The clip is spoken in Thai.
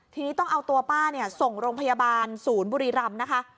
ทีนี้ต้องเอาตัวป้าเนี่ยส่งโรงพยาบาลศูนย์บุรีรำนะคะ